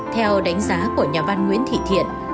theo đánh giá của nhà văn nguyễn thị thiện